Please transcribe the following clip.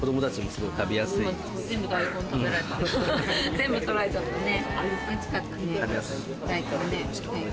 全部取られちゃったね。